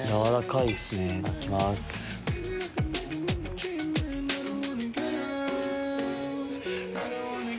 いただきます。